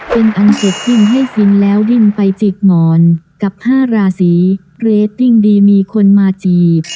เป็นอันเสร็จสิ้นให้ฟินแล้วดิ้นไปจิกหมอนกับ๕ราศีเรดดิ้งดีมีคนมาจีบ